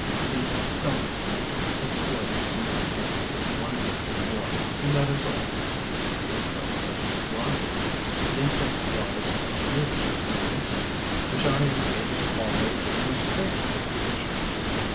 The Stelis exploited on my table is one victim more; and that is all. The interest does not lie there. The interest lies in the maneuvers of the insect, which I am able to follow under the most favorable conditions.